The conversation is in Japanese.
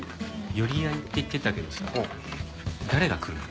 寄り合いって言ってたけどさ誰が来るの？